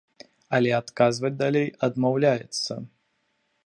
Але адказваць далей адмаўляецца.